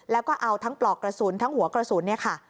แล้วก็เอาทั้งปลอกกระสุนทั้งหัวกระสุนเนี่ยค่ะ